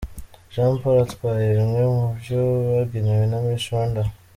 Jean Paul atwaye bimwe mu byo bagenewe na Miss Rwanda.